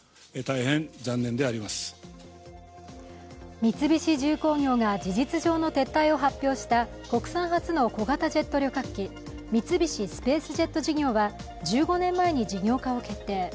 三菱重工業が事実上の撤退を発表した国産初の小型ジェット旅客機三菱スペースジェット事業は１５年前に事業化を決定。